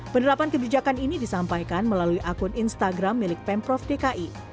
penerapan kebijakan ini disampaikan melalui akun instagram milik pemprov dki